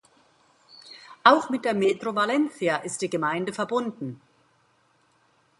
Auch mit der Metro Valencia ist die Gemeinde verbunden.